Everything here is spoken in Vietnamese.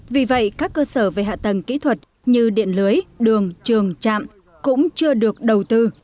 vì vậy các cơ sở về hạ tầng kỹ thuật như điện lưới đường trường trạm cũng chưa được đầu tư